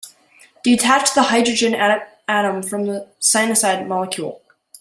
Detach the hydrogen atom from the cyanide molecule.